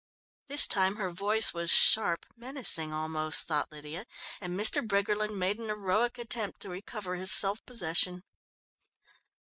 This time her voice was sharp, menacing almost, thought Lydia, and Mr. Briggerland made an heroic attempt to recover his self possession.